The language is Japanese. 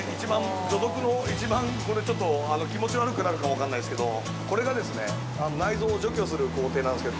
除毒の、一番、これちょっと気持ち悪くなるかも分かんないですけどこれがですね、内臓を除去する工程なんですけど。